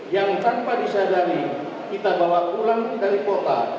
yang tanpa disadari kita bawa pulang dari kota